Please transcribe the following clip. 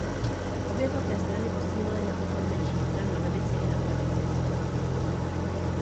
Obě velké strany posílily na úkor menších stran na levici i na pravici.